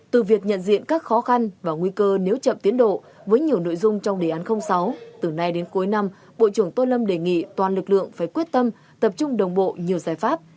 từ việc nhận diện các khó khăn và nguy cơ nếu chậm tiến độ với nhiều nội dung trong đề án sáu từ nay đến cuối năm bộ trưởng tô lâm đề nghị toàn lực lượng phải quyết tâm tập trung đồng bộ nhiều giải pháp